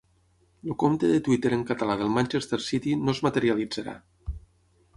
El compte de Twitter en català del Manchester City no es materialitzarà